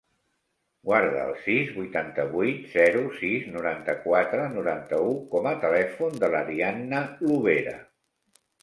Guarda el sis, vuitanta-vuit, zero, sis, noranta-quatre, noranta-u com a telèfon de l'Arianna Lobera.